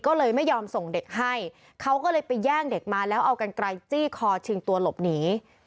ก็เลยไม่ยอมส่งเด็กให้เขาก็เลยไปแย่งเด็กมาแล้วเอากันไกลจี้คอชิงตัวหลบหนี